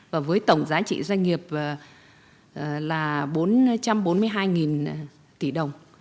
và với tổng giá trị doanh nghiệp là bốn trăm bốn mươi hai tỷ đồng